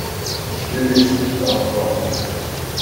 Ich will jetzt nicht antworten.